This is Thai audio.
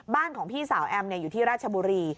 บ้านของพี่สาวแอมเนี่ยอยู่ที่ราชบุรี